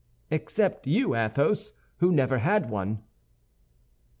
"Except you, Athos, who never had one."